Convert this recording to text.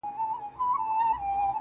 مخ به در واړوم خو نه پوهېږم_